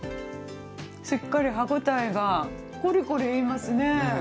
しっかり歯ごたえがコリコリいいますね。